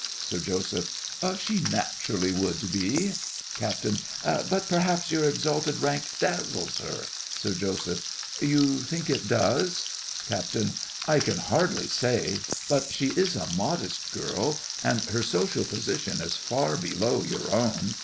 SIR JOSEPH. She naturally would be. CAPT. But perhaps your exalted rank dazzles her. SIR JOSEPH. You think it does? CAPT. I can hardly say; but she is a modest girl, and her social position is far below your own.